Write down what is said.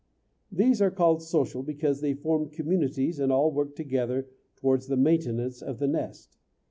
These are called social because they form communities and all work together towards the maintenance of the nest.